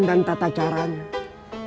dan tata caranya